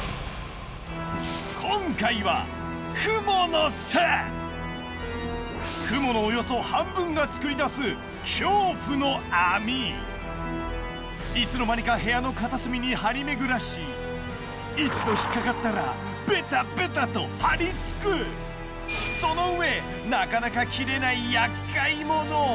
今回はクモのおよそ半分がつくり出すいつの間にか部屋の片隅に張り巡らし一度引っかかったらその上なかなか切れないやっかい者。